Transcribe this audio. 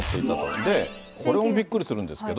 で、これもびっくりするんですけれども。